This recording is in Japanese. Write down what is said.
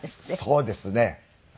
そうですね。